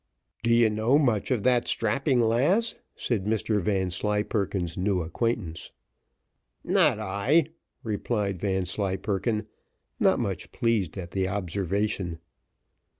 "D'ye know much of that strapping lass?" said Mr Vanslyperken's new acquaintance. "Not I," replied Vanslyperken, not much pleased at the observation.